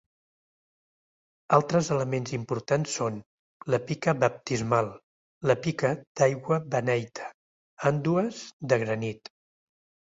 Altres elements importants són: la pica baptismal, la pica d'aigua beneita, ambdues de granit.